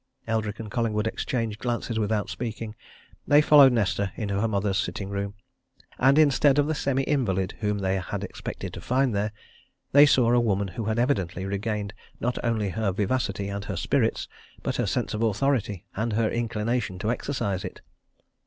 Eldrick and Collingwood exchanged glances without speaking. They followed Nesta into her mother's sitting room. And instead of the semi invalid whom they had expected to find there, they saw a woman who had evidently regained not only her vivacity and her spirits but her sense of authority and her inclination to exercise it.